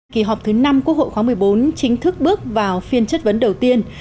kỳ họp thứ năm quốc hội khóa một mươi bốn chính thức bước vào phiên chất vấn đầu tiên